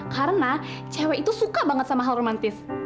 karena cewe itu suka banget sama hal romantis